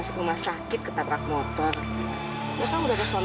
saya lagi gak mau sendirian